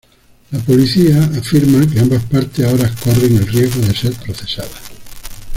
La policía afirma que ambas partes ahora corren el riesgo de ser procesadas.